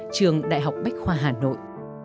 trường đại học bách khoa hà nội